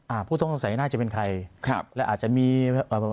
ผู้ต้องสงสัยน่าจะเป็นใครครับและอาจจะมีอ่า